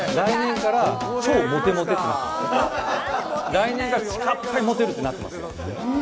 来年からちかっぱいモテるってなってます。